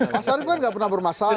pak sarif kan tidak pernah bermasalah